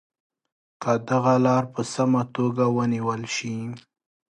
که دغه لاره په سمه توګه ونیول شي.